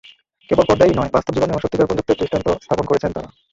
কেবল পর্দায়ই নয়, বাস্তব জীবনেও সত্যিকার বন্ধুত্বের দৃষ্টান্ত স্থাপন করেছেন তাঁরা।